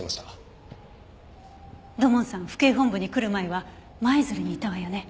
土門さん府警本部に来る前は舞鶴にいたわよね。